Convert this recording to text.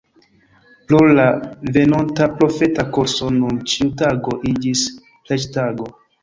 Pro la venonta profeta kurso nun ĉiu tago iĝis preĝtago.